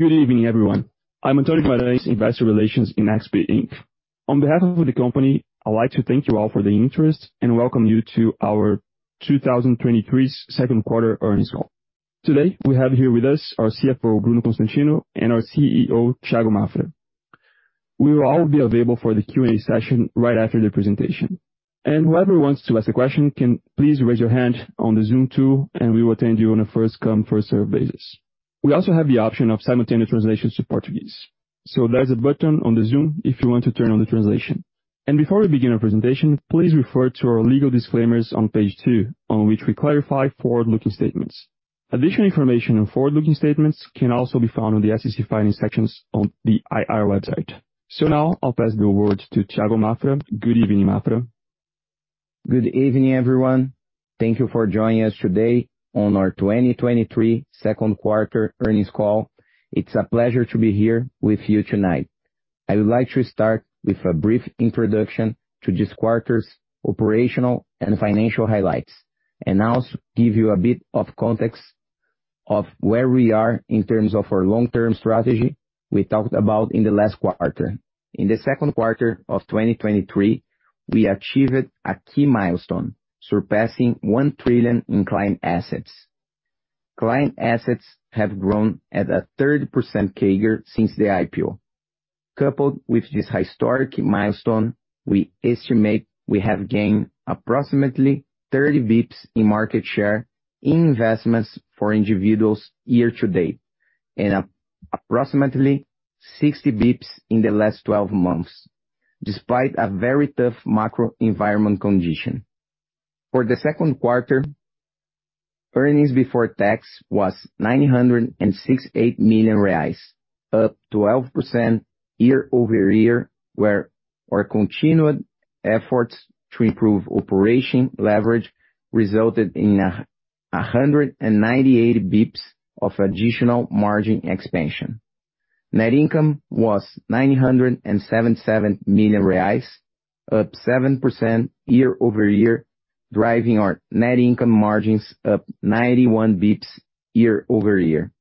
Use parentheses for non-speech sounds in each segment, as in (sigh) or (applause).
Good evening, everyone. I'm Antonio Guimarães, Investor Relations in XP Inc. On behalf of the company, I'd like to thank you all for the interest and welcome you to our 2023 Second Quarter Earnings Call. Today, we have here with us our CFO, Bruno Constantino, and our CEO, Thiago Maffra. We will all be available for the Q&A session right after the presentation. Whoever wants to ask a question, can please raise your hand on the Zoom tool, and we will attend you on a first-come, first-served basis. We also have the option of simultaneous translations to Portuguese. There's a button on the Zoom if you want to turn on the translation. Before we begin our presentation, please refer to our legal disclaimers on page two, on which we clarify forward-looking statements. Additional information on forward-looking statements can also be found on the SEC filing sections on the IR website. Now I'll pass the word to Thiago Maffra. Good evening, Maffra. Good evening, everyone. Thank you for joining us today on our 2023 Second Quarter Earnings Call. It's a pleasure to be here with you tonight. I would like to start with a brief introduction to this quarter's operational and financial highlights, and also give you a bit of context of where we are in terms of our long-term strategy we talked about in the last quarter. In the second quarter of 2023, we achieved a key milestone, surpassing 1 trillion in client assets. Client assets have grown at a 30% CAGR since the IPO. Coupled with this historic milestone, we estimate we have gained approximately 30 BPS in market share in investments for individuals year to date, and approximately 60 BPS in the last 12 months, despite a very tough macro environment condition. For the second quarter, earnings before tax was 968 million reais, up 12% year-over-year, where our continued efforts to improve operation leverage resulted in 198 BPS of additional margin expansion. Net income was 977 million reais, up 7% year-over-year, driving our net income margins up 91 BPS year-over-year.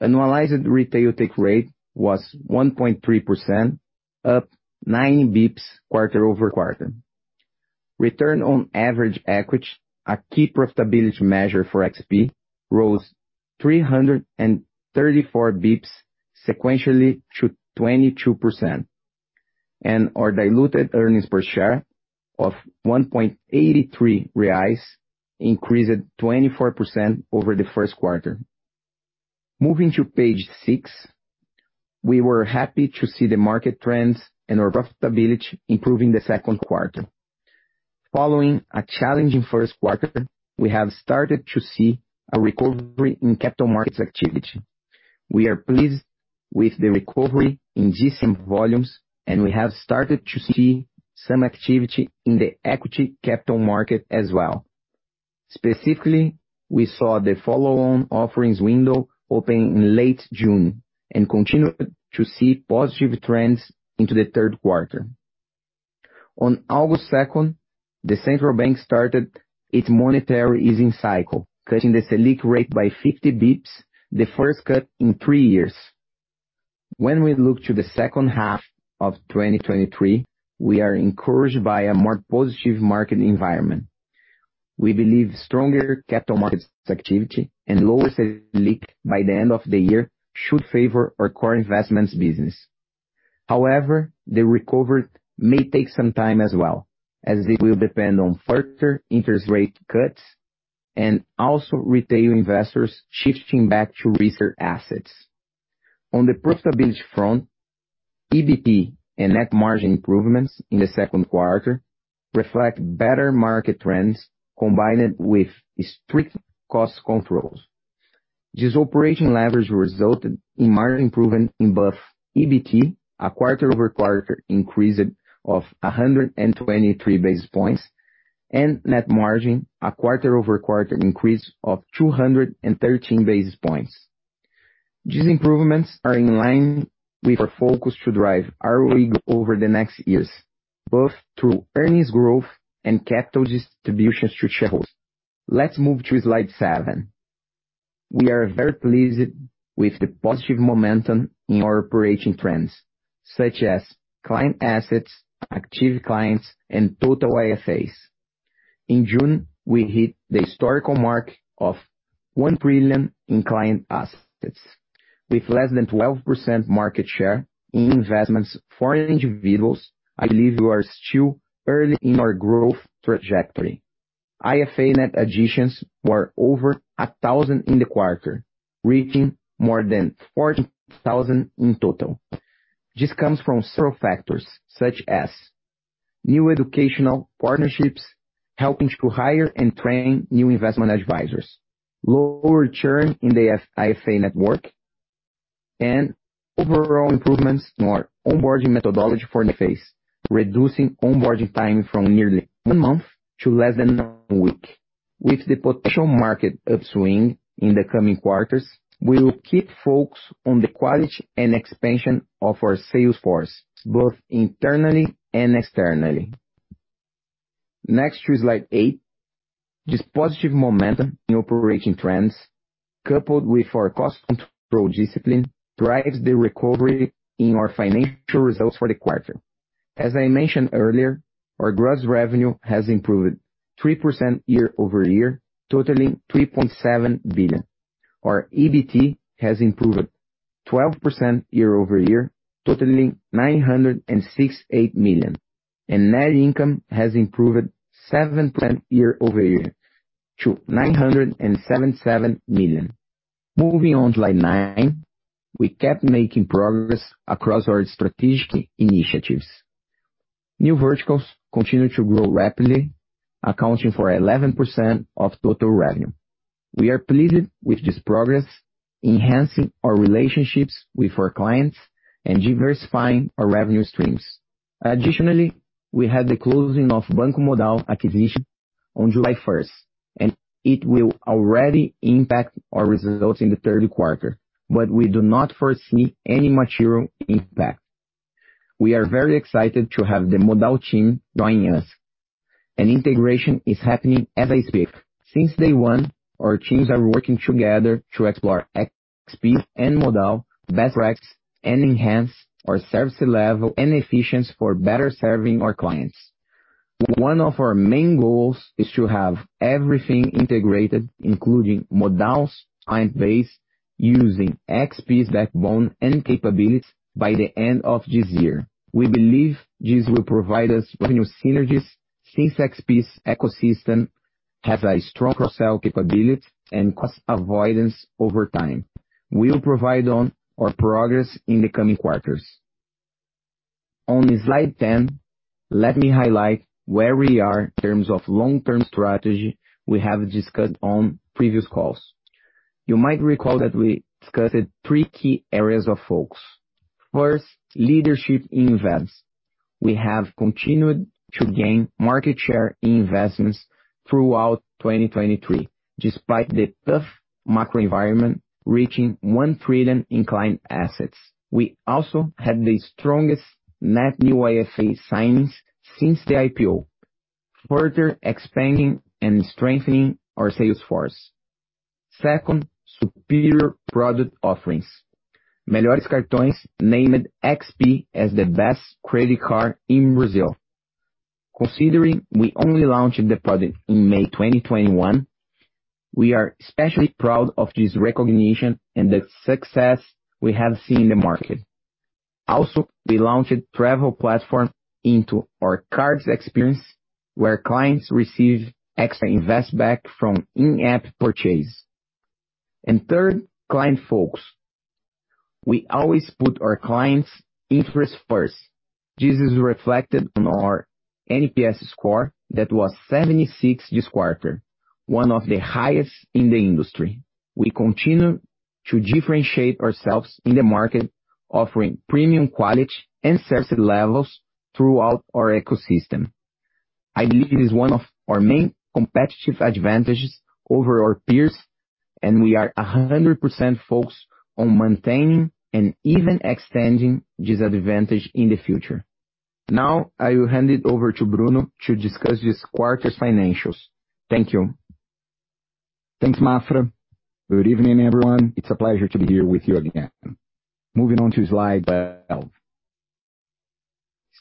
Annualized retail take rate was 1.3%, up 9 BPS quarter-over-quarter. Return on average equity, a key profitability measure for XP, rose 334 BPS sequentially to 22%, and our diluted earnings per share of 1.83 reais increased 24% over the first quarter. Moving to page six, we were happy to see the market trends and our profitability improve in the second quarter. Following a challenging first quarter, we have started to see a recovery in capital markets activity. We are pleased with the recovery in DCM volumes, and we have started to see some activity in the equity capital market as well. Specifically, we saw the follow-on offerings window open in late June and continued to see positive trends into the third quarter. On August 2nd, the Central Bank started its monetary easing cycle, cutting the Selic rate by 50 BPS, the first cut in 3 years. When we look to the second half of 2023, we are encouraged by a more positive market environment. We believe stronger capital markets activity and lower Selic by the end of the year should favor our core investments business. However, the recovery may take some time as well, as it will depend on further interest rate cuts and also retail investors shifting back to riskier assets. On the profitability front, EBT and net margin improvements in the second quarter reflect better market trends, combined with strict cost controls. This operating leverage resulted in margin improvement in both EBT, a quarter-over-quarter increase of 123 basis points, and net margin, a quarter-over-quarter increase of 213 basis points. These improvements are in line with our focus to drive ROE over the next years, both through earnings growth and capital distributions to shareholders. Let's move to slide seven. We are very pleased with the positive momentum in our operating trends, such as client assets, active clients, and total IFAs. In June, we hit the historical mark of 1 trillion in client assets. With less than 12% market share in investments for individuals, I believe we are still early in our growth trajectory. IFA net additions were over 1,000 in the quarter, reaching more than 40,000 in total. This comes from several factors, such as new educational partnerships, helping to hire and train new investment advisors, lower churn in the IFA network, and overall improvements in our onboarding methodology for the FAs, reducing onboarding time from nearly 1 month to less than 1 week. With the potential market upswing in the coming quarters, we will keep focus on the quality and expansion of our sales force, both internally and externally. Next, to slide eight. This positive momentum in operating trends, coupled with our cost control discipline, drives the recovery in our financial results for the quarter. As I mentioned earlier, our gross revenue has improved 3% year-over-year, totaling 3.7 billion. Our EBT has improved 12% year-over-year, totaling 968 million, and net income has improved 17% year-over-year to 977 million. Moving on to slide nine. We kept making progress across our strategic initiatives. New verticals continue to grow rapidly, accounting for 11% of total revenue. We are pleased with this progress, enhancing our relationships with our clients and diversifying our revenue streams. Additionally, we had the closing of Banco Modal acquisition on July first, and it will already impact our results in the third quarter, but we do not foresee any material impact. We are very excited to have the Modal team joining us, and integration is happening as I speak. Since day one, our teams are working together to explore XP and Modal best practices and enhance our service level and efficiency for better serving our clients. One of our main goals is to have everything integrated, including Modal's client base, using XP's backbone and capabilities by the end of this year. We believe this will provide us revenue synergies since XP's ecosystem has a strong cross-sell capability and cost avoidance over time. We'll provide on our progress in the coming quarters. On slide 10, let me highlight where we are in terms of long-term strategy we have discussed on previous calls. You might recall that we discussed three key areas of focus. First, leadership in investments. We have continued to gain market share in investments throughout 2023, despite the tough macro environment, reaching $1 trillion in client assets. We also had the strongest net new IFA signings since the IPO, further expanding and strengthening our sales force. Second, superior product offerings. Melhores Cartões named XP as the best credit card in Brazil. Considering we only launched the product in May 2021, we are especially proud of this recognition and the success we have seen in the market. We launched travel platform into our cards experience, where clients receive extra Investback from in-app purchase. Third, client focus. We always put our clients' interests first. This is reflected on our NPS score that was 76% this quarter, one of the highest in the industry. We continue to differentiate ourselves in the market, offering premium quality and service levels throughout our ecosystem. I believe it is one of our main competitive advantages over our peers, and we are 100% focused on maintaining and even extending this advantage in the future. Now, I will hand it over to Bruno to discuss this quarter's financials. Thank you. Thanks, Maffra. Good evening, everyone. It's a pleasure to be here with you again. Moving on to slide 12.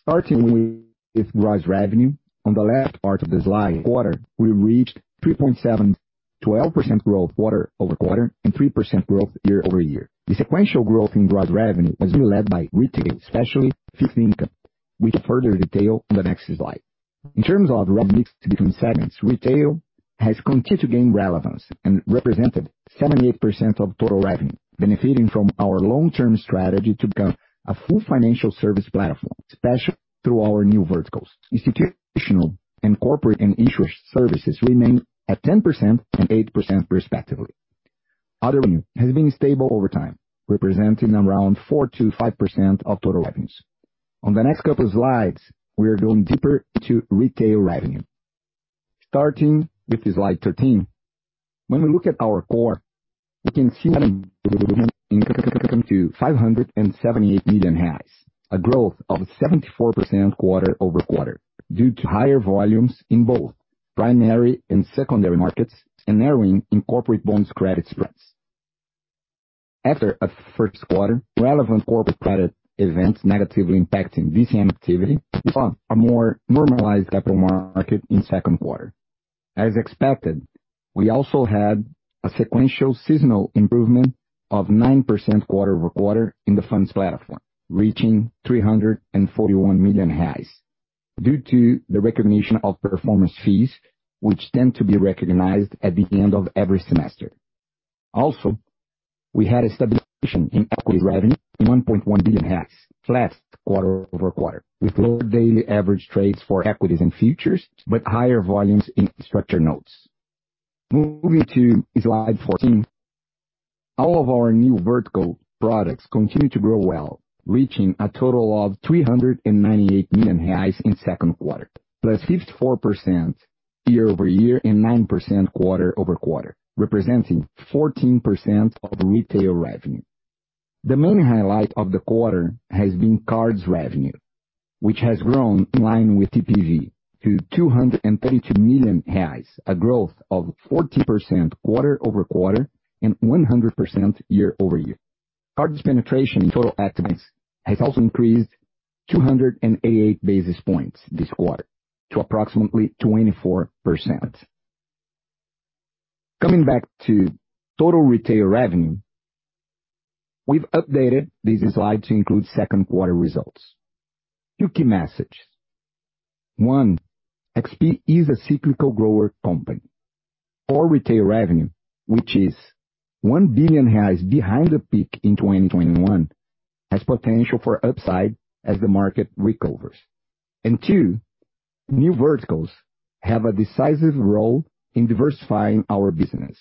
Starting with gross revenue, on the left part of the slide, quarter, we reached 3.7, 12% growth quarter-over-quarter, and 3% growth year-over-year. The sequential growth in gross revenue has been led by retail, especially fixed income, with further detail on the next slide. In terms of mix between segments, retail has continued to gain relevance and represented 78% of total revenue, benefiting from our long-term strategy to become a full financial service platform, especially through our new verticals. Institutional and corporate and insurance services remain at 10% and 8% respectively. Other revenue has been stable over time, representing around 4%-5% of total revenues. On the next couple of slides, we are going deeper into retail revenue. Starting with the slide 13, when we look at our core, we can see (audio distortion) to 578 million, a growth of 74% quarter-over-quarter, due to higher volumes in both primary and secondary markets and narrowing in corporate bonds credit spreads. After a first quarter, relevant corporate credit events negatively impacting DCM activity, we saw a more normalized capital market in second quarter. As expected, we also had a sequential seasonal improvement of 9% quarter-over-quarter in the funds platform, reaching 341 million, due to the recognition of performance fees, which tend to be recognized at the end of every semester. We had a stabilization in equity revenue, 1.1 billion, flat quarter-over-quarter, with lower daily average trades for equities and futures, but higher volumes in structured notes. Moving to slide 14. All of our new vertical products continue to grow well, reaching a total of 398 million reais in second quarter, +54% year-over-year, and 9% quarter-over-quarter, representing 14% of retail revenue. The main highlight of the quarter has been cards revenue, which has grown in line with TPV to 232 million reais, a growth of 40% quarter-over-quarter and 100% year-over-year. Cards penetration in total actives has also increased 288 basis points this quarter to approximately 24%. Coming back to total retail revenue, we've updated this slide to include second quarter results. Few key messages. One, XP is a cyclical grower company. Our retail revenue, which is 1 billion reais behind the peak in 2021, has potential for upside as the market recovers. Two, new verticals have a decisive role in diversifying our business.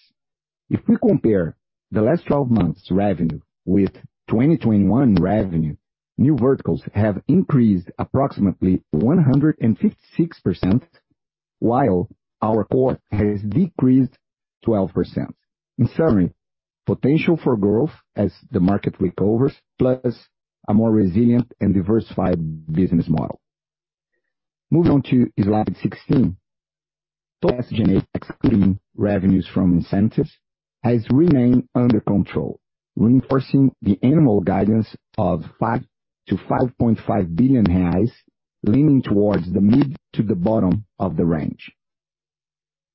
If we compare the last 12 months revenue with 2021 revenue, new verticals have increased approximately 156%, while our core has decreased 12%. In summary, potential for growth as the market recovers, plus a more resilient and diversified business model. Moving on to slide 16. Total SG&A, excluding revenues from incentives, has remained under control, reinforcing the annual guidance of 5 billion-5.5 billion reais, leaning towards the mid to the bottom of the range.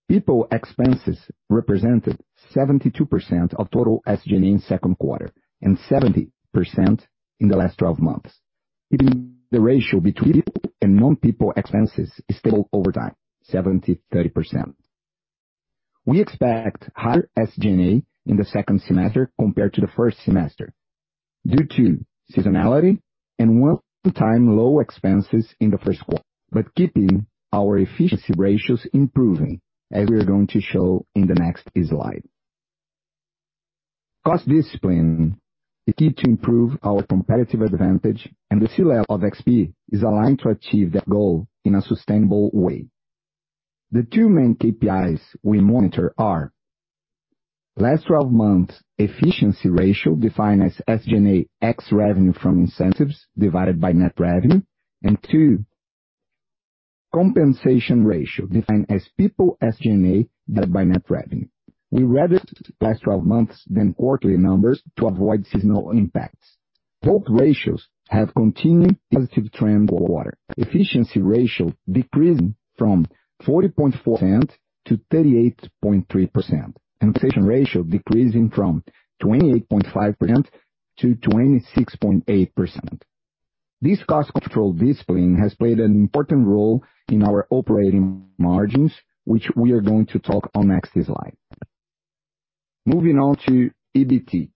People expenses represented 72% of total SG&A in second quarter, and 70% in the last 12 months, keeping the ratio between people and non-people expenses stable over time, 70/30%. We expect higher SG&A in the second semester compared to the first semester, due to seasonality and one-time low expenses in the first quarter, keeping our efficiency ratios improving, as we are going to show in the next slide. Cost discipline is key to improve our competitive advantage, the C-level of XP is aligned to achieve that goal in a sustainable way. The two main KPIs we monitor are: last 12 months efficiency ratio, defined as SG&A ex revenue from incentives divided by net revenue. Two, compensation ratio, defined as people SG&A divided by net revenue. We rather look last 12 months than quarterly numbers to avoid seasonal impacts. Both ratios have continued positive trend quarter. Efficiency ratio decreasing from 40.4% to 38.3%, and compensation ratio decreasing from 28.5% to 26.8%. This cost control discipline has played an important role in our operating margins, which we are going to talk on next slide. Moving on to EBT,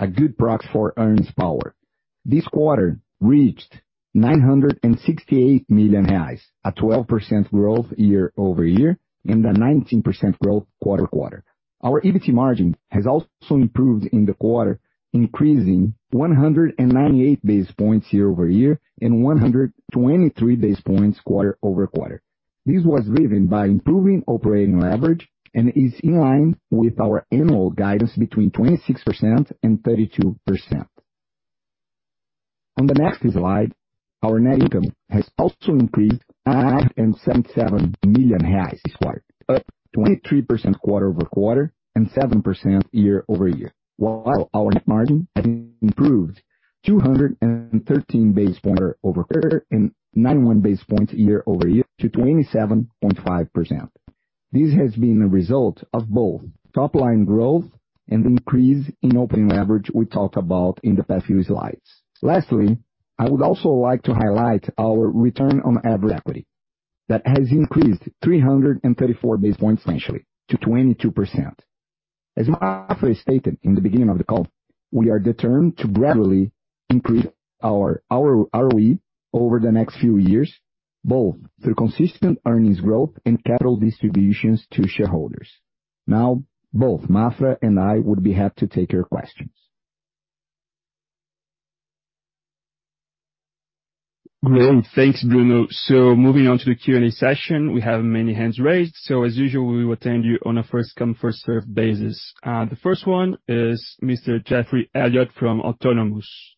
a good proxy for earnings power. This quarter reached 968 million reais, a 12% growth year-over-year, and a 19% growth quarter-over-quarter. Our EBT margin has also improved in the quarter, increasing 198 basis points year-over-year, and 123 basis points quarter-over-quarter. This was driven by improving operating leverage and is in line with our annual guidance between 26%-32%. On the next slide, our net income has also increased to 577 million reais this quarter, up 23% quarter-over-quarter and 7% year-over-year, while our net margin has improved 213 basis points quarter-over-quarter and 91 basis points year-over-year to 27.5%. This has been a result of both top line growth and increase in operating leverage we talked about in the past few slides. Lastly, I would also like to highlight our return on average equity, that has increased 334 basis points sequentially to 22%. As Maffra stated in the beginning of the call, we are determined to gradually increase our, our ROE over the next few years, both through consistent earnings growth and capital distributions to shareholders. Now, both Maffra and I would be happy to take your questions. Great. Thanks, Bruno. Moving on to the Q&A session, we have many hands raised, so as usual, we will attend you on a first come, first serve basis. The first one is Mr. Geoffrey Elliott from Autonomous.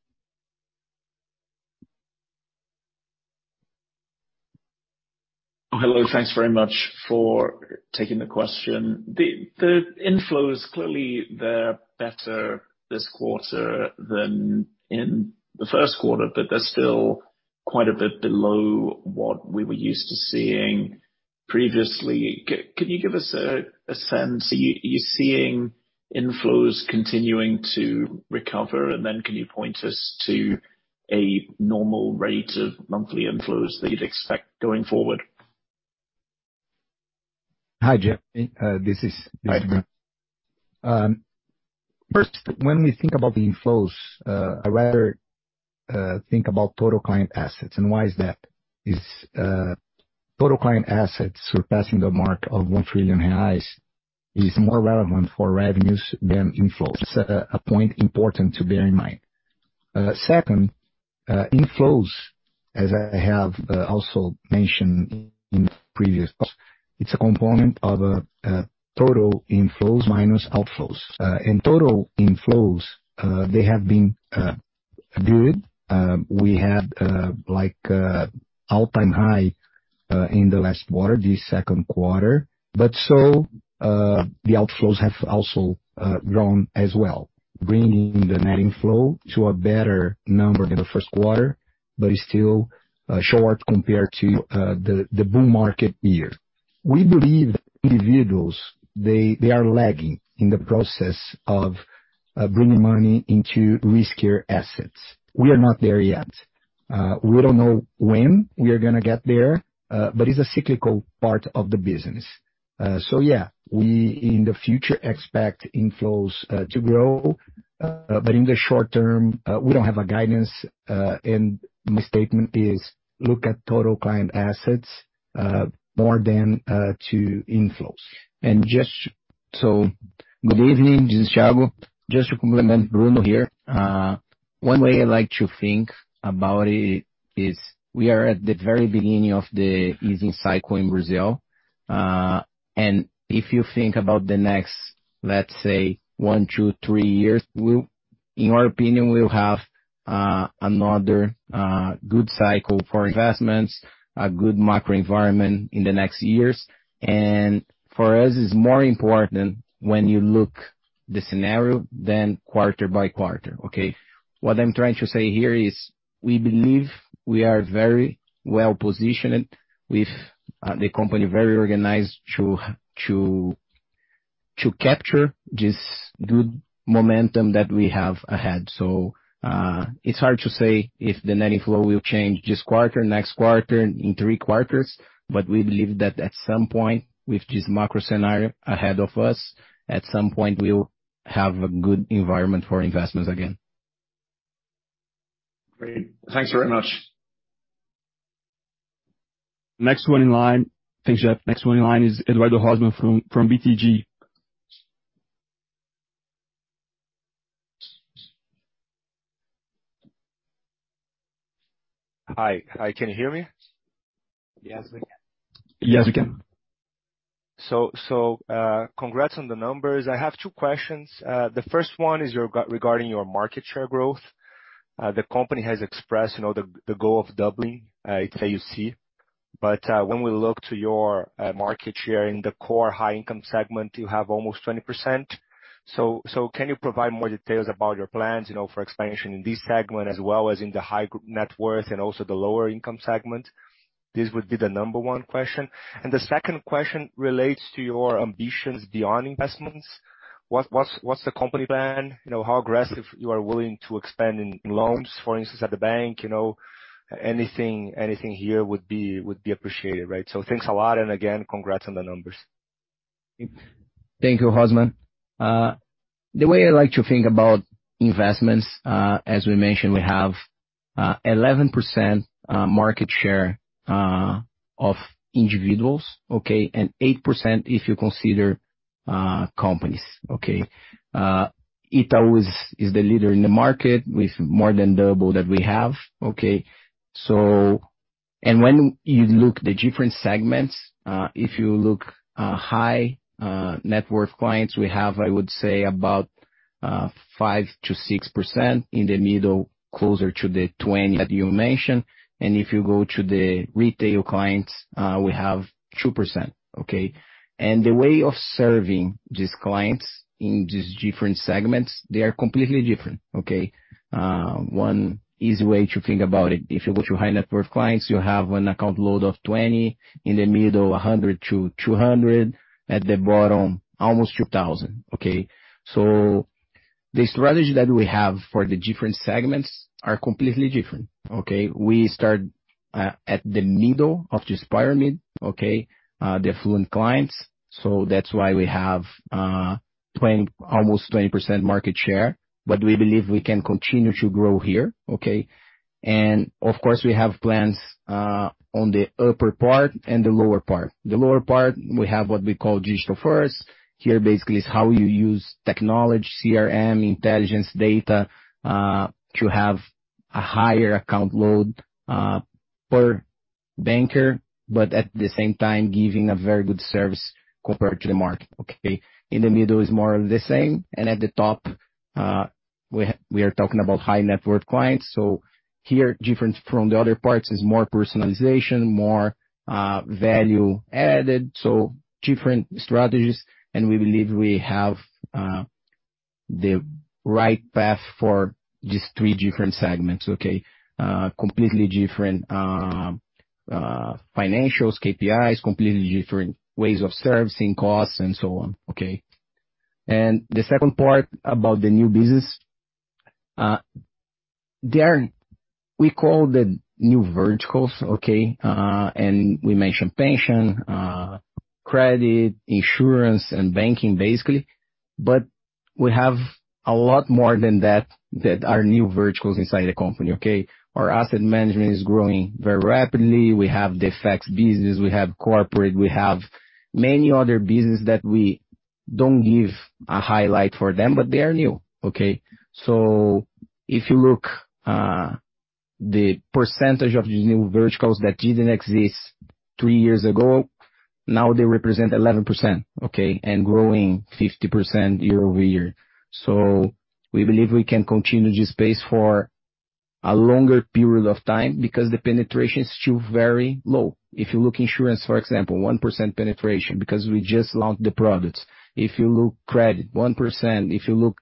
Hello, thanks very much for taking the question. The inflows, clearly they're better this quarter than in the first quarter, but they're still quite a bit below what we were used to seeing previously. Can you give us a sense, are you seeing inflows continuing to recover? Then can you point us to a normal rate of monthly inflows that you'd expect going forward? Hi, Geoffrey, this is Bruno. First, when we think about the inflows, I'd rather think about total client assets, why is that? Is, total client assets surpassing the mark of 1 trillion reais is more relevant for revenues than inflows. A point important to bear in mind. Second, inflows, as I have also mentioned in previous, it's a component of a total inflows minus outflows. Total inflows, they have been good. We had, like, all-time high in the last quarter, this 2Q, but so, the outflows have also grown as well, bringing the net inflow to a better number than the first quarter, but is still short compared to the bull market year. We believe individuals, they, they are lagging in the process of bringing money into riskier assets. We are not there yet. We don't know when we are gonna get there, but it's a cyclical part of the business. Yeah, we, in the future, expect inflows, to grow, but in the short term, we don't have a guidance, and my statement is look at total client assets, more than, to inflows. Good evening, this is Thiago. Just to complement Bruno here, one way I like to think about it is we are at the very beginning of the easing cycle in Brazil. If you think about the next, let's say, 1 year, 2 year, 3 years, we'll—In our opinion, we'll have another good cycle for investments, a good macro environment in the next years. For us, it's more important when you look the scenario than quarter by quarter, okay? What I'm trying to say here is, we believe we are very well positioned with the company, very organized to, to, to capture this good momentum that we have ahead. It's hard to say if the net inflow will change this quarter, next quarter, in three quarters, but we believe that at some point, with this macro scenario ahead of us, at some point we'll have a good environment for investments again. Great. Thanks very much. Next one in line. Thanks, Geoff. Next one in line is Eduardo Rosman from, from BTG. Hi, can you hear me? Yes, we can. Yes, we can. So, congrats on the numbers. I have two questions. The first one is regarding your market share growth. The company has expressed, you know, the, the goal of doubling its AUC, but when we look to your market share in the core high income segment, you have almost 20%. So can you provide more details about your plans, you know, for expansion in this segment, as well as in the high net worth and also the lower income segment? This would be the number one question. The second question relates to your ambitions beyond investments. What's the company plan? You know, how aggressive you are willing to expand in loans, for instance, at the bank? You know, anything, anything here would be, would be appreciated, right? Thanks a lot, and again, congrats on the numbers. Thank you, Rosman. The way I like to think about investments, as we mentioned, we have 11% market share of individuals, okay? 8% if you consider companies, okay? Itaú is, is the leader in the market with more than double that we have, okay? When you look the different segments, if you look high net worth clients, we have, I would say, about 5%-6%, in the middle, closer to the 20% that you mentioned. If you go to the retail clients, we have 2%, okay? The way of serving these clients in these different segments, they are completely different, okay? One easy way to think about it, if you go to high net worth clients, you have an account load of 20, in the middle, 100-200, at the bottom, almost 2,000, okay? The strategy that we have for the different segments are completely different, okay? We start at the middle of this pyramid, okay? The affluent clients. That's why we have 20%, almost 20% market share, but we believe we can continue to grow here, okay? Of course, we have plans on the upper part and the lower part. The lower part, we have what we call digital first. Here, basically, is how you use technology, CRM, intelligence, data, to have a higher account load per banker, but at the same time, giving a very good service compared to the market, okay? In the middle is more of the same, and at the top, we, we are talking about high net worth clients. Here, different from the other parts, is more personalization, more value added, so different strategies, and we believe we have the right path for these three different segments, okay? Completely different financials, KPIs, completely different ways of servicing costs and so on, okay? The second part about the new business, they are... We call the new verticals, okay? We mentioned pension, credit, insurance, and banking, basically. We have a lot more than that, that are new verticals inside the company, okay? Our asset management is growing very rapidly. We have the FX business, we have corporate, we have many other business that we don't give a highlight for them, but they are new, okay? If you look, the percentage of these new verticals that didn't exist 3 years ago, now they represent 11%, okay? Growing 50% year-over-year. We believe we can continue this pace for a longer period of time because the penetration is still very low. If you look insurance, for example, 1% penetration, because we just launched the products. If you look credit, 1%. If you look,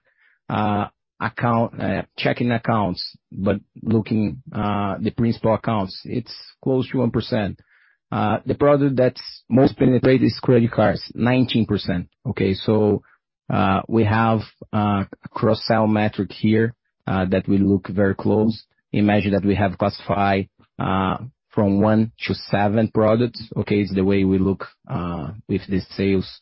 account, checking accounts, but looking, the principal accounts, it's close to 1%. The product that's most penetrated is credit cards, 19%, okay? We have cross-sell metric here that we look very close. Imagine that we have classified from 1 to 7 products, okay? It's the way we look with the sales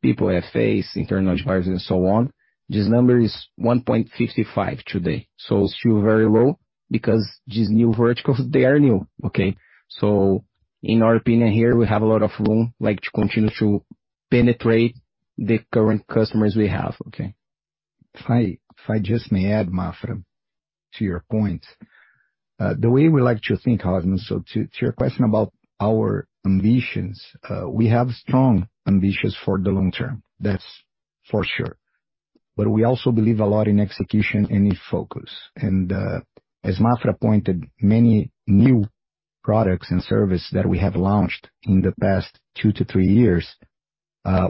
people FAs, internal buyers, and so on. This number is 1.55 today. Still very low because these new verticals, they are new, okay? In our opinion, here, we have a lot of room, like, to continue to penetrate the current customers we have, okay. If I just may add, Maffra, to your point. The way we like to think, Rosman, so to your question about our ambitions, we have strong ambitions for the long term. That's for sure. We also believe a lot in execution and in focus. As Maffra pointed, many new products and services that we have launched in the past two to three years,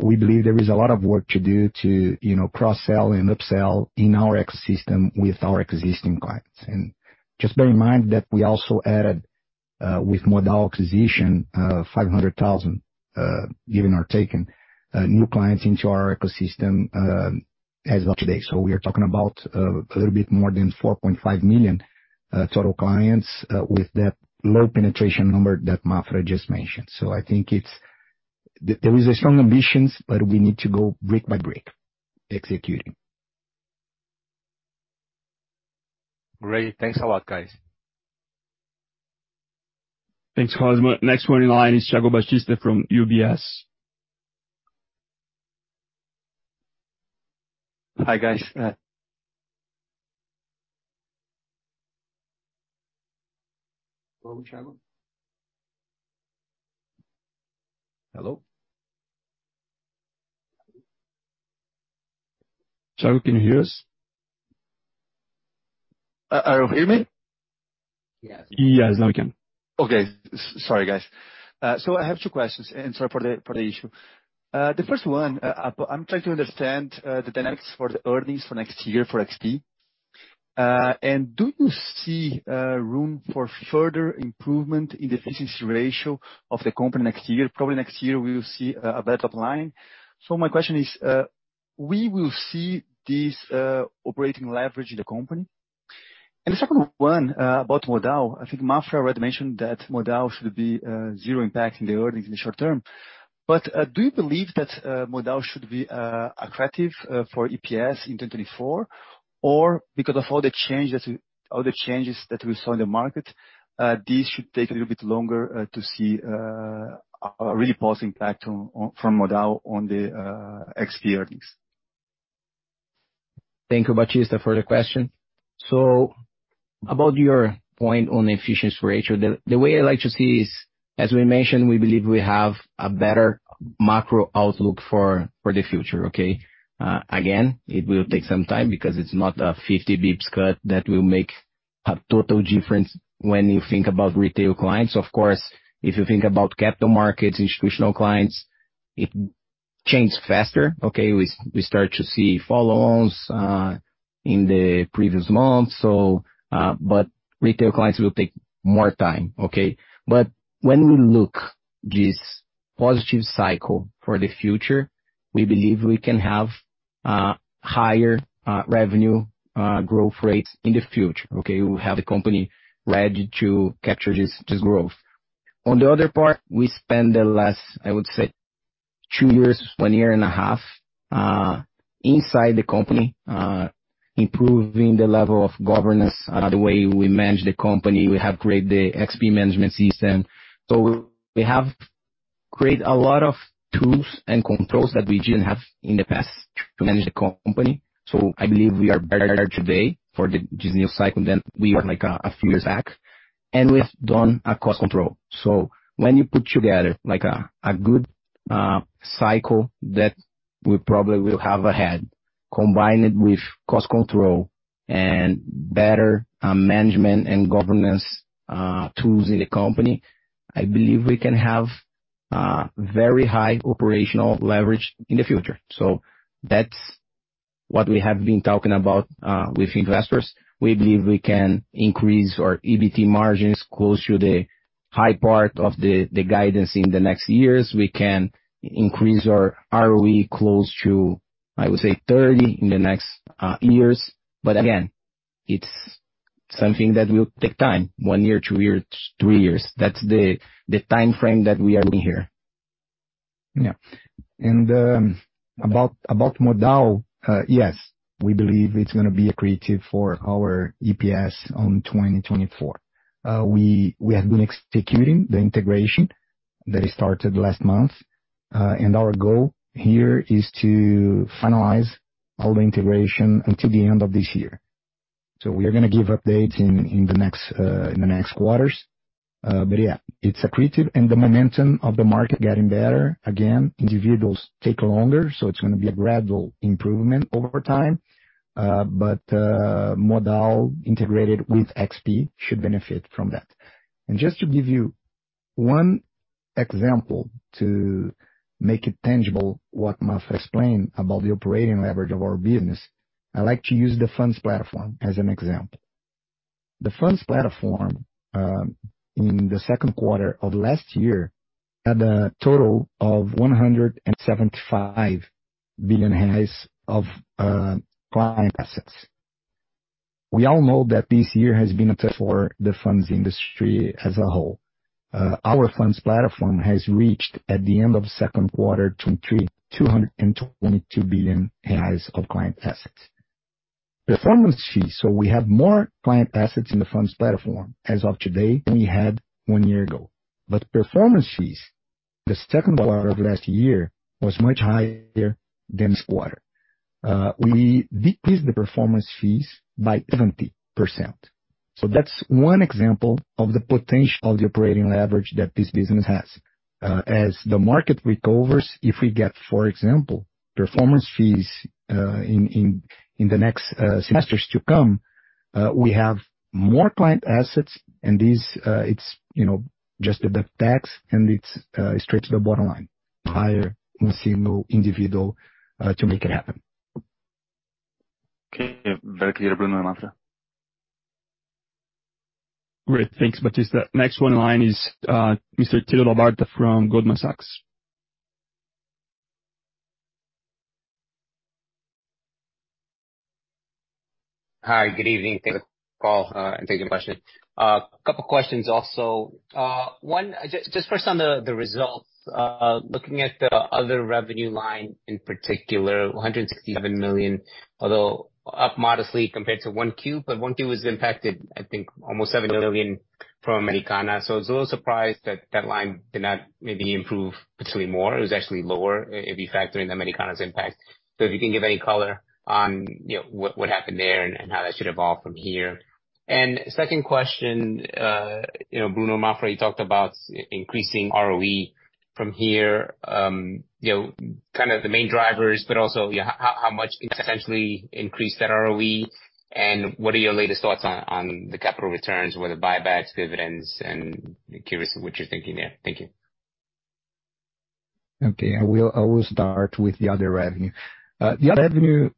we believe there is a lot of work to do to, you know, cross-sell and upsell in our ecosystem with our existing clients. Just bear in mind that we also added, with Modal acquisition, 500,000, given or taken, new clients into our ecosystem, as of today. We are talking about a little bit more than 4.5 million total clients with that low penetration number that Maffra just mentioned. I think it's... There is a strong ambitions, but we need to go brick by brick, executing. Great. Thanks a lot, guys. Thanks, Rosman. Next one in line is Thiago Batista from UBS. Hi, guys. Hello, Thiago? Hello? Thiago, can you hear us? You hear me? Yes. Yes, now we can. Okay. Sorry, guys. I have two questions, and sorry for the, for the issue. The first one, I'm trying to understand the dynamics for the earnings for next year for XP. Do you see room for further improvement in the efficiency ratio of the company next year? Probably next year, we will see a better top line. My question is, we will see this operating leverage in the company? The second one, about Modal. I think Maffra already mentioned that Modal should be zero impact in the earnings in the short term. Do you believe that Modal should be attractive for EPS in 2024? Or, because of all the changes, all the changes that we saw in the market, this should take a little bit longer to see a really positive impact on, from Modal on the XP earnings. Thank you, Batista, for the question. About your point on the efficiency ratio, the, the way I like to see is, as we mentioned, we believe we have a better macro outlook for, for the future, okay? Again, it will take some time because it's not a 50 BPS cut that will make a total difference when you think about retail clients. Of course, if you think about capital markets, institutional clients, it changes faster, okay? We, we start to see follow on in the previous months. Retail clients will take more time, okay? When we look this positive cycle for the future, we believe we we can have higher revenue growth rates in the future, okay? We will have the company ready to capture this, this growth. On the other part, we spend the last, I would say, 2 years, 1.5 years, inside the company, improving the level of governance, the way we manage the company. We have created the XP management system. We have created a lot of tools and controls that we didn't have in the past to manage the company. I believe we are better today for this new cycle than we were like a few years back. And we've done a cost control. When you put together like a good cycle that we probably will have ahead, combine it with cost control and better management and governance tools in the company, I believe we can have very high operational leverage in the future. That's what we have been talking about, with investors. We believe we can increase our EBT margins close to the high part of the, the guidance in the next years. We can increase our ROE close to, I would say, 30 in the next years. Again, it's something that will take time, one year, two years, three years. That's the, the timeframe that we are in here. Yeah. About, about Modal, yes, we believe it's gonna be accretive for our EPS on 2024. We, we have been executing the integration that started last month, and our goal here is to finalize all the integration until the end of this year. We are gonna give updates in, in the next, in the next quarters. Yeah, it's accretive and the momentum of the market getting better. Again, individuals take longer, so it's gonna be a gradual improvement over time. Modal integrated with XP, should benefit from that. Just to give you one example to make it tangible, what Maffra explained about the operating leverage of our business, I'd like to use the funds platform as an example. The funds platform, in the second quarter of last year, had a total of 175 billion reais of client assets. We all know that this year has been tough for the funds industry as a whole. Our funds platform has reached, at the end of second quarter, 222 billion reais of client assets. Performance fees, we have more client assets in the funds platform as of today, than we had one year ago. Performance fees, the second quarter of last year was much higher than this quarter. We decreased the performance fees by 70%. That's one example of the potential of the operating leverage that this business has. As the market recovers, if we get, for example, performance fees, in, in, in the next semesters to come, we have more client assets. These, it's, you know, just the tax and it's straight to the bottom line, higher in single individual, to make it happen. Okay. Very clear, Bruno and Mafra. Great, thanks. Batista. Next one line is Mr. Tito Labarta from Goldman Sachs. Hi, good evening. Thanks for the call, thank you for the question. A couple questions also. One, just first on the results. Looking at the other revenue line, in particular, 167 million, although up modestly compared to 1Q, 1Q was impacted, I think almost billion from Americanas. I was a little surprised that that line did not maybe improve potentially more. It was actually lower if you factor in the Americanas' impact. If you can give any color on, you know, what, what happened there and how that should evolve from here. Second question, you know, Bruno, Mafra, you talked about increasing ROE from here. You know, kind of the main drivers, but also, yeah, how, how much essentially increase that ROE, and what are your latest thoughts on, on the capital returns? Whether buybacks, dividends, and curious what you're thinking there? Thank you. Okay. I will, I will start with the other revenue. The other revenue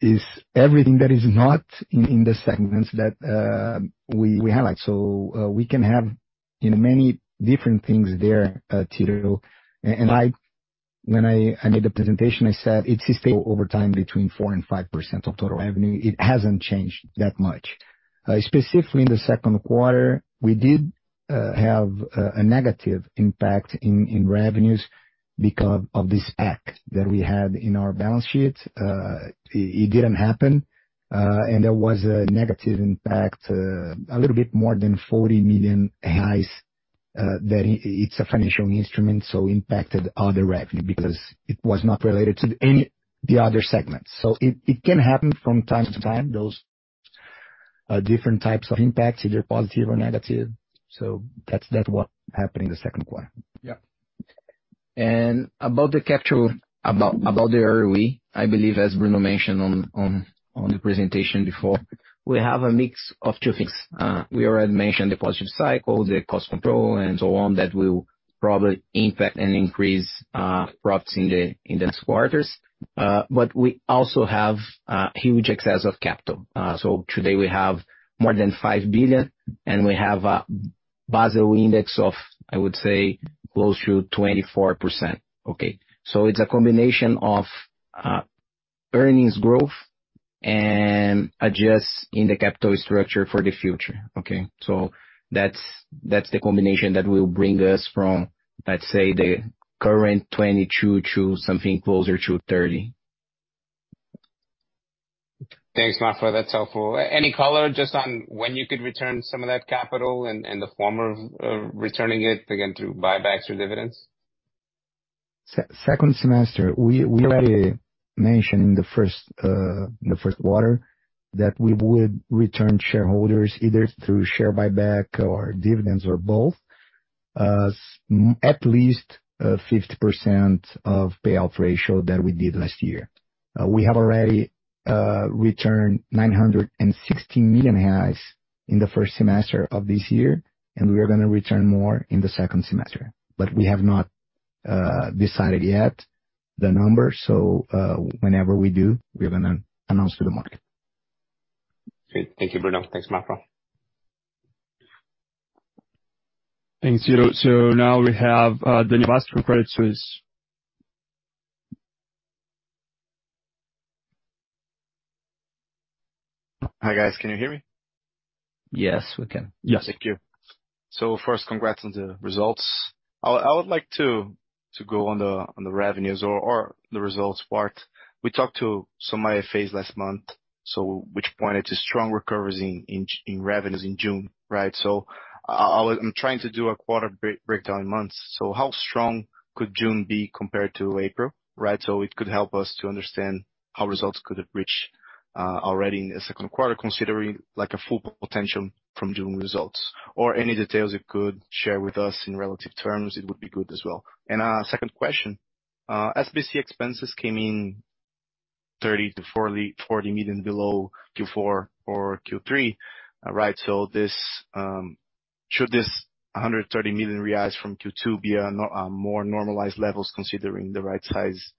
is everything that is not in, in the segments that we, we highlight. We can have, you know, many different things there, Tito. When I, I made the presentation, I said, it's stable over time between 4%-5% of total revenue. It hasn't changed that much. Specifically in the second quarter, we did have a negative impact in, in revenues because of this impact that we had in our balance sheet. It didn't happen, and there was a negative impact, a little bit more than 40 million reais, that it's a financial instrument, so impacted other revenue because it was not related to any, the other segments. It, it can happen from time to time, those, different types of impacts, either positive or negative. That's, that's what happened in the second quarter. Yeah. About the capital, about, about the ROE, I believe, as Bruno mentioned on the presentation before, we have a mix of two things. We already mentioned the positive cycle, the cost control, and so on, that will probably impact and increase profits in the next quarters. We also have huge excess of capital. Today we have more than 5 billion, and we have a Basel index of, I would say, close to 24%. It's a combination of earnings growth and adjust in the capital structure for the future. That's, that's the combination that will bring us from, let's say, the current 22% to something closer to 30%. Thanks, Mafra. That's helpful. Any color just on when you could return some of that capital and, and the form of, of returning it, again, through buybacks or dividends? second semester, we, we already mentioned in the first quarter, that we would return shareholders, either through share buyback or dividends or both, at least 50% of payout ratio that we did last year. We have already returned 960 million reais in the first semester of this year, we are gonna return more in the second semester, we have not decided yet the number. Whenever we do, we're gonna announce to the market. Great. Thank you, Bruno. Thanks, Maffra. Thank you. Now we have Daniel Federle, Credit Suisse. Hi, guys, can you hear me? Yes, we can. Yeah. Thank you. First, congrats on the results. I would like to go on the revenues or the results part. We talked to some phase last month, which pointed to strong recovery in revenues in June, right? I'm trying to do a quarter breakdown months. How strong could June be compared to April, right? It could help us to understand how results could have reached already in the second quarter, considering, like, a full potential from June results, or any details you could share with us in relative terms, it would be good as well. Second question, SBC expenses came in 30 million-40 million below Q4 or Q3, right? This should this 130 million reais from Q2 be a more normalized levels, considering the right size,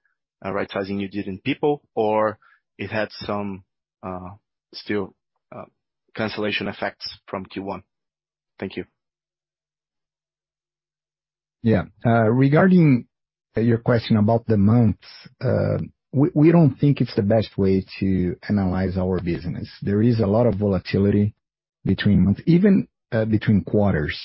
right sizing you did in people, or it had some still cancellation effects from Q1? Thank you. Yeah. Regarding your question about the months, we, we don't think it's the best way to analyze our business. There is a lot of volatility between months, even between quarters.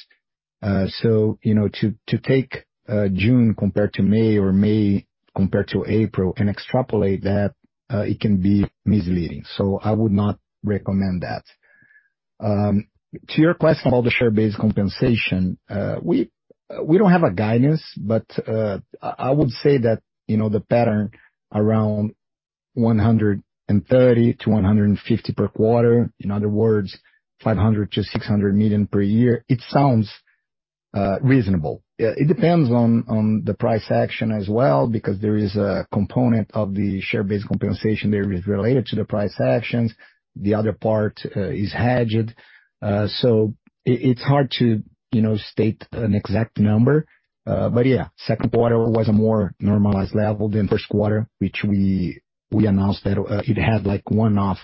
You know, to, to take June compared to May or May compared to April and extrapolate that, it can be misleading, so I would not recommend that. To your question about the share-based compensation, we, we don't have a guidance, but I would say that, you know, the pattern around 130 million-150 million per quarter, in other words, 500 million-600 million per year, it sounds reasonable. It depends on, on the price action as well, because there is a component of the share-based compensation there is related to the price actions. The other part is hedged. It's hard to, you know, state an exact number. Yeah, second quarter was a more normalized level than first quarter, which we, we announced that it had like one-off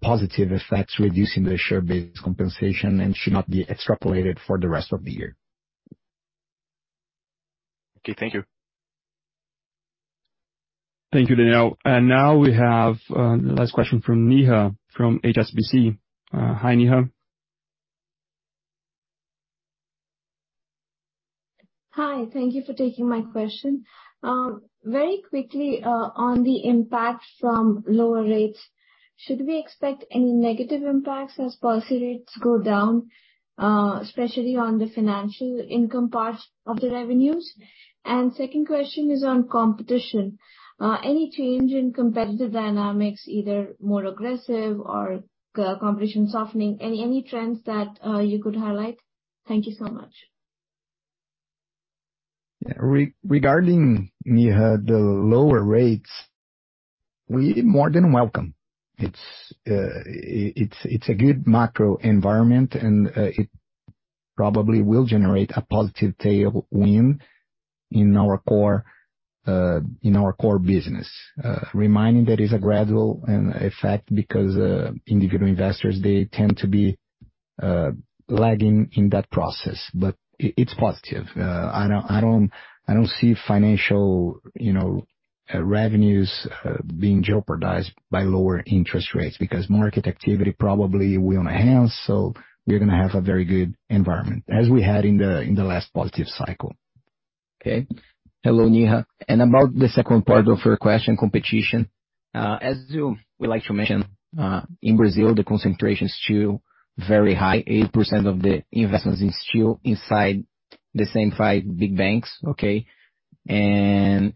positive effects, reducing the share-based compensation and should not be extrapolated for the rest of the year. Okay. Thank you. Thank you, Daniel. Now we have the last question from Neha, from HSBC. Hi, Neha. Hi, thank you for taking my question. Very quickly, on the impact from lower rates, should we expect any negative impacts as policy rates go down, especially on the financial income part of the revenues? Second question is on competition. Any change in competitive dynamics, either more aggressive or competition softening, any, any trends that you could highlight? Thank you so much. Yeah. Regarding, Neha, the lower rates, we more than welcome. It's, it's, it's a good macro environment, and it probably will generate a positive tailwind in our core, in our core business. Reminding that is a gradual effect, because individual investors, they tend to be lagging in that process, but it's positive. I don't, I don't, I don't see financial, you know, revenues being jeopardized by lower interest rates because market activity probably will enhance, so we're gonna have a very good environment, as we had in the, in the last positive cycle. Okay. Hello, Neha. About the second part of your question, competition, as you would like to mention, in Brazil, the concentration is still very high. 80% of the investments is still inside the same 5 big banks, okay? When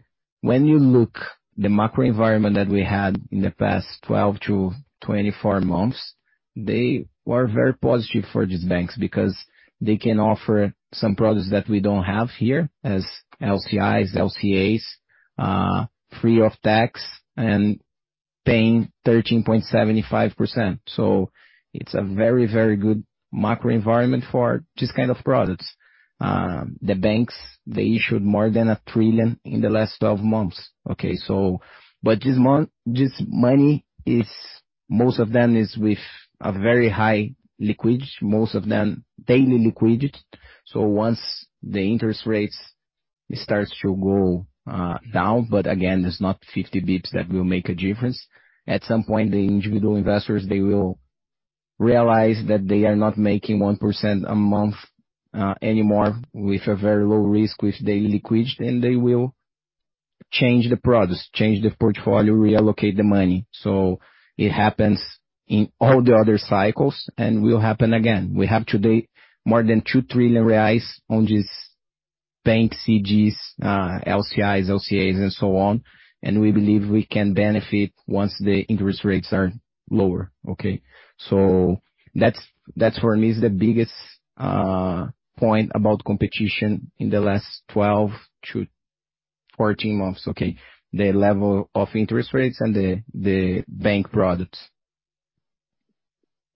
you look the macro environment that we had in the past 12 months-24 months, they were very positive for these banks because they can offer some products that we don't have here, as LCIs, LCAs, free of tax and paying 13.75%. It's a very, very good macro environment for this kind of products. The banks, they issued more than 1 trillion in the last 12 months, okay? But this money is, most of them is with a very high liquid, most of them daily liquid. Once the interest rates starts to go down, but again, it's not 50 bits that will make a difference. At some point, the individual investors, they will realize that they are not making 1% a month anymore with a very low risk, with daily liquid, and they will change the products, change the portfolio, reallocate the money. It happens in all the other cycles and will happen again. We have today more than 2 trillion reais on this bank, CDBs, LCIs, LCAs, and so on, and we believe we can benefit once the interest rates are lower, okay? That's, that's, for me is the biggest point about competition in the last 12 months-14 months, okay? The level of interest rates and the, the bank products.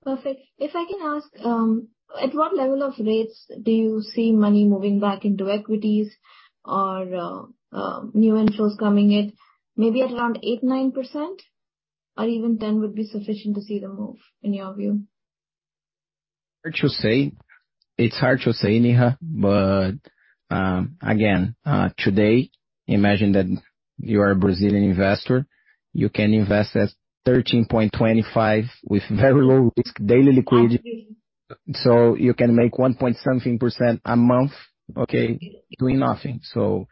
Perfect. If I can ask, at what level of rates do you see money moving back into equities or new investors coming in? Maybe around 8%, 9%, or even 10% would be sufficient to see the move, in your view? Hard to say. It's hard to say, Neha. Again, today, imagine that you are a Brazilian investor. You can invest at 13.25% with very low risk, daily liquid, so you can make 1% a month, okay. Doing nothing. So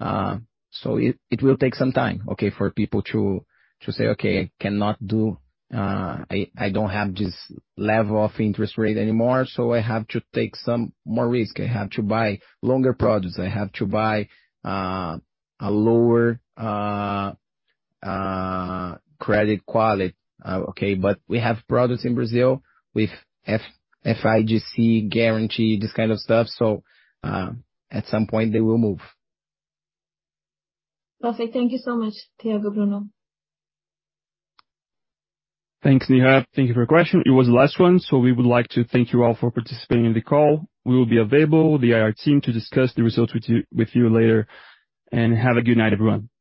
it, it will take some time, okay, for people to, to say, "Okay, I cannot do—I don't have this level of interest rate anymore, so I have to take some more risk. I have to buy longer products. I have to buy, a lower, credit quality." Okay. But we have products in Brazil with FGC guarantee, this kind of stuff. At some point, they will move. Perfect. Thank you so much, Thiago, Bruno. Thanks, Neha. Thank you for your question. It was the last one, so we would like to thank you all for participating in the call. We will be available, the IR team, to discuss the results with you, with you later, and have a good night, everyone.